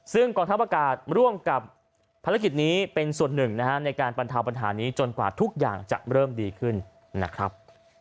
ซึ่งกองทัพอากาศร่วมกับภารกิจนี้เป็นส่วนหนึ่งนะฮะในการบรรเทาปัญหานี้จนกว่าทุกอย่างจะเริ่มดีขึ้นนะครับ